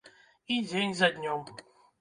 І дзень за днём.